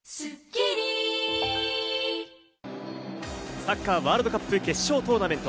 サッカーワールドカップ決勝トーナメント。